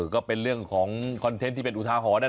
ก็เป็นเรื่องของคอนเทนต์อุทาหัว